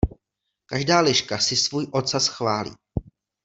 Každá liška si svůj ocas chválí.